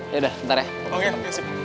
yaudah ntar ya